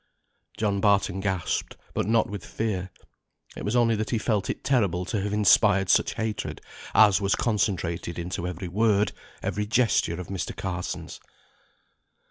John Barton gasped, but not with fear. It was only that he felt it terrible to have inspired such hatred, as was concentrated into every word, every gesture of Mr. Carson's.